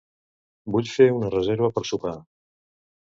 Vull fer una reserva per sopar.